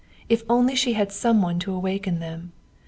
If only she had had some one to awaken them!